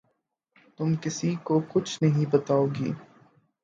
تم کسی کو کچھ نہیں بتاؤ گے